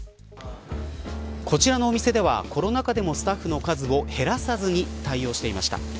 こちらのお店では、コロナ禍でもスタッフの数を減らさずに対応をしていました。